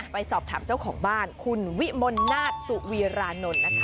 ไปสอบถามเจ้าของบ้านคุณวิมลนาฏสุวีรานนท์นะคะ